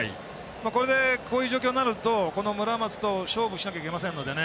これで、こういう状況になると村松と勝負しなきゃいけませんので。